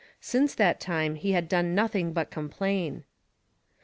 Since that time he had done nothing but complain.